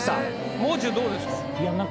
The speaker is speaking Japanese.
もう中どうですか？